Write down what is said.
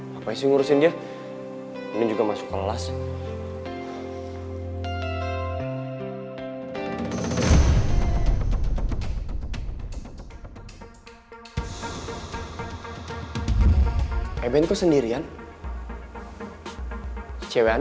tau eigenlijk kamu benar benar amat